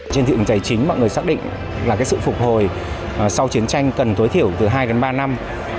trên thiện giải chính mọi người xác định là sự phục hồi sau chiến tranh cần tối thiểu từ hai đến ba năm